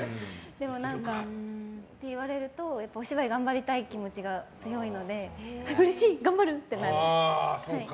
でも、そう言われるとお芝居頑張りたい気持ちが強いのでうれしい！頑張る！ってなります。